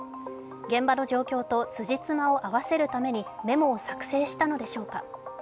現場の状況とつじつまを合わせるためにメモを作成したのでしょうか。